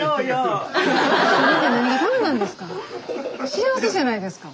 幸せじゃないですか。